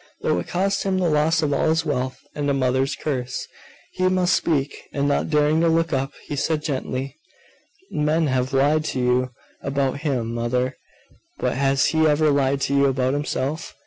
Though it cost him the loss of all his wealth, and a mother's curse, he must speak. And not daring to look up, he said gently 'Men have lied to you about Him, mother: but has He ever lied to you about Himself?